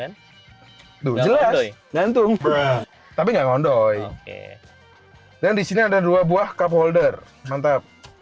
kan tuh jelas ngantung bro tapi nggak ngondoy oke dan di sini ada dua buah cup holder mantap